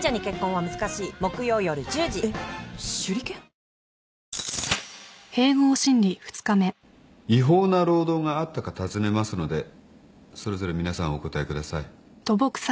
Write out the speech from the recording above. あなたも違法な労働があったか尋ねますのでそれぞれ皆さんお答えください。